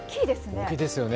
大きいですね。